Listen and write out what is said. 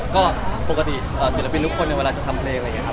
ก็ปกติศิลปินทุกคนเวลาจะทำเพลงอะไรอย่างนี้ครับ